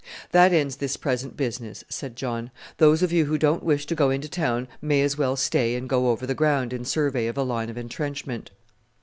"That ends this present business," said John. "Those of you who don't wish to go into town may as well stay and go over the ground in survey of a line of entrenchment."